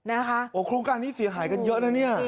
โอ้โหโครงการนี้เสียหายกันเยอะนะเนี่ย